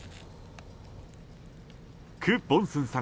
ク・ボンスンさん